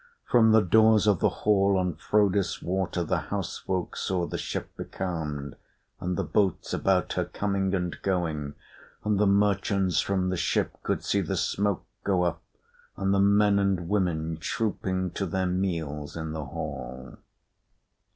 From the doors of the hall on Frodis Water, the house folk saw the ship becalmed and the boats about her, coming and going; and the merchants from the ship could see the smoke go up and the men and women trooping to their meals in the hall.